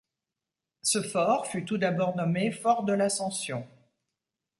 Ce fort fut, tout d'abord, nommé Fort de l'Ascension.